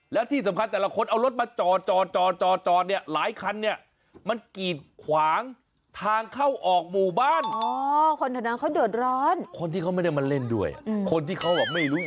และที่สำคัญแต่ละคนเอารถมาจอ